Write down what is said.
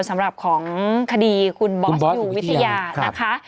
สำหรับของคดีคุณบอสอยู่วิทยานะคะ